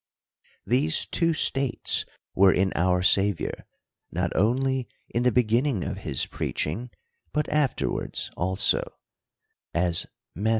These two states were in our Saviour, not only in the beginning of his preaching, but afterwards also (as, Matt.